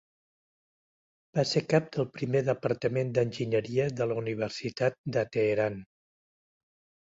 Va ser cap del primer departament d'Enginyeria de la Universitat de Teheran.